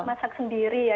masak sendiri ya